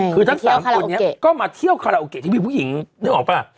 คือทั้ง๓คนนี้ก็มาเที่ยวคาราโอเกะที่มีผู้หญิงนึกออกป่ะ